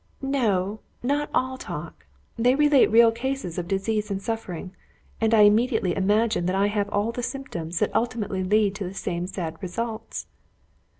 "No not all talk. They relate real cases of disease and suffering, and I immediately imagine that I have all the symptoms that ultimately lead to the same sad results."